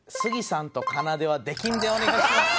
さんとかなでは出禁でお願いします。